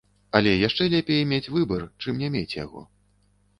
Але яшчэ лепей мець выбар, чым не мець яго.